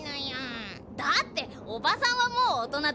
だっておばさんはもうおとなだろ？